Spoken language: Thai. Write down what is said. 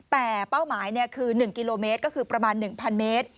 แต่เป้าหมายคือ๑กิโลเมตรก็คือประมาณ๑๐๐เมตร